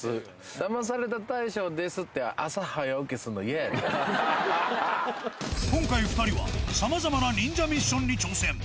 ダマされた大賞ですって、今回、２人はさまざまな忍者ミッションに挑戦。